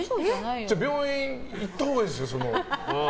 病院行ったほうがいいですよ。